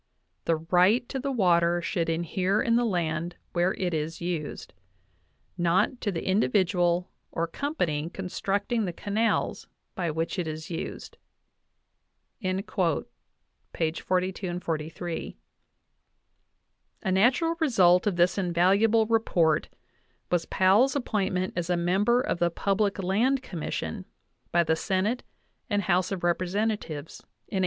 ... The right to the water should inhere in the land where it is used, ... not to the individual or company constructing the canals by which it is used" (42, 43). A natural result of this invaluable report was Powell's appointment as a member of the Public Land Commission by the Senate and House of Representatives in 1879.